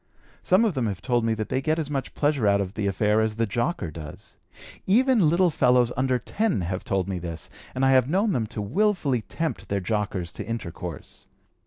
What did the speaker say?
Some of them have told me that they get as much pleasure out of the affair as the jocker does. Even little fellows under 10 have told me this, and I have known them to willfully tempt their jockers to intercourse.